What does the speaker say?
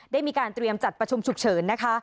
ได้มีการเตรียมจัดประชุมฉุกเฉินนะคะ